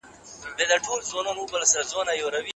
له تعلیمي وسایلو څخه په سمه توګه ګټه واخلئ.